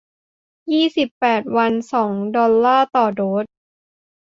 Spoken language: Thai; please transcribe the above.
ยี่สิบแปด วัน สอง ดอลลาร์ต่อโดส